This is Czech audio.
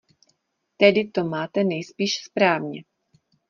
Tedy to máte nejspíš správně.